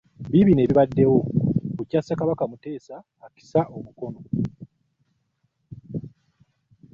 Bino bibaddewo bukya Ssekabaka Muteesa akisa omukono